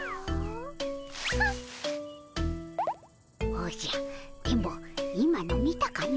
おじゃ電ボ今の見たかの。